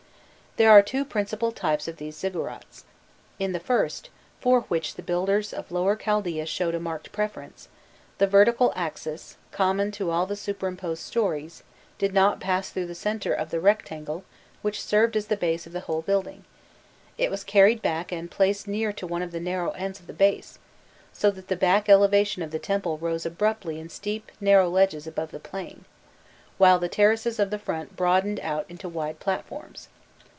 There are two principal types of these ziggurats. In the first, for which the builders of Lower Chaldaea showed a marked preference, the vertical axis, common to all the superimposed stories, did not pass through the centre of the rectangle which served as the base of the whole building; it was carried back and placed near to one of the narrow ends of the base, so that the back elevation of the temple rose abruptly in steep narrow ledges above the plain, while the terraces of the front broadened out into wide platforms.